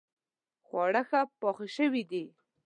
خواړه ښه پخ شوي دي